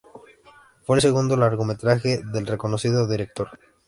Fue el segundo largometraje del reconocido director.